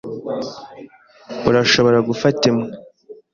Urashobora gufata imwe?